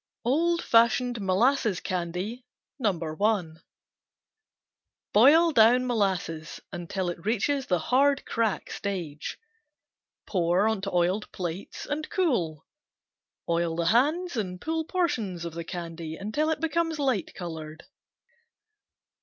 Old Fashioned Molasses Candy No. 1 Boil down molasses until it reaches the hard crack stage. Pour on oiled plates and cool. Oil the hands and pull portions of the candy until it becomes light colored.